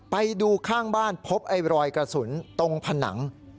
ไปดูข้างบ้านพบไอ้รอยกระสุนตรงผนัง